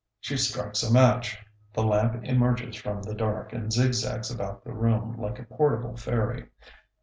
She strikes a match. The lamp emerges from the dark and zigzags about the room like a portable fairy.